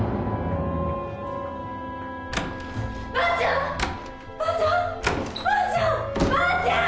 ばあちゃん！